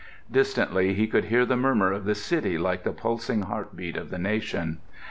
Distantly he could hear the murmur of the city like the pulsing heartbeat of the nation.